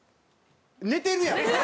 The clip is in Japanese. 寝てるやん！